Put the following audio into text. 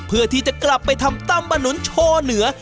เพื่อที่จะกลับไปทำตำบะหนุนโชว์เหนือ